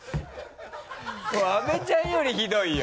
これ阿部ちゃんよりひどいよ。